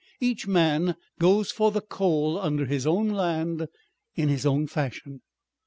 Each man goes for the coal under his own land in his own fashion.